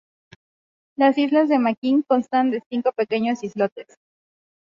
Las islas de Makin constan de cinco pequeños islotes.